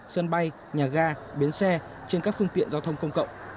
sân bay nhà ga bến xe trên các phương tiện giao thông công cộng